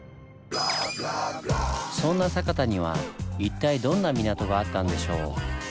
そんな酒田には一体どんな港があったんでしょう？